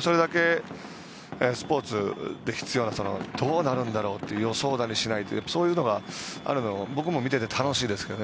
それだけスポーツで必要などうなるんだろうという予想だにしないというそういうのがあるのが僕も見ていて楽しいですね。